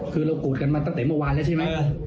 คือเรากูดกันมาตั้งแต่เมื่อวานแล้วใช่ไหม